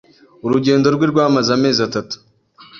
Urugendo rwe rwamaze amezi atatu.